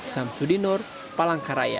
sam sudinur palangka raya